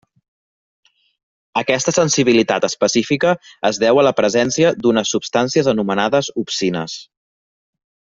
Aquesta sensibilitat específica es deu a la presència d'unes substàncies anomenades opsines.